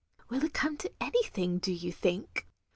"Will it come to anything, do you think?